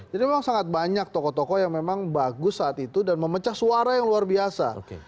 jadi memang sangat banyak tokoh tokoh yang memang bagus saat itu dan memecah suara yang luar biasa